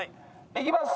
いきます。